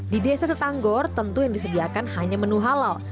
di desa setanggor tentu yang disediakan hanya menu halal